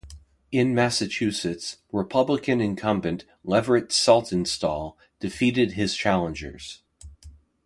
In Massachusetts, Republican Incumbent Leverett Saltonstall defeated his challengers.